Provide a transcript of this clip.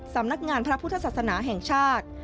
สำนักงานพระพุทธศาสนาแห่งชาติ